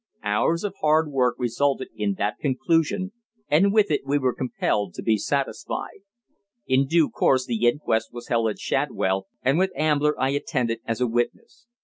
Hours of hard work resulted in that conclusion, and with it we were compelled to be satisfied. In due course the inquest was held at Shadwell, and with Ambler I attended as a witness.